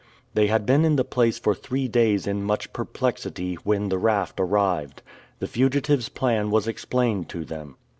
They had been in the place for three days in much perplexity, when the raft arrived. The fugitives' plan was explained to them.